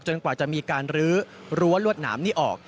จนกว่าจะมีการรื้อรวดน้ำนี้ออก